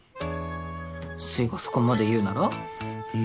スイがそこまで言うなら。